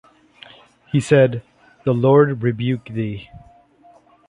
He said “The Lord rebuke thee.”